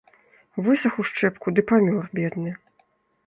Высах у шчэпку ды памёр бедны.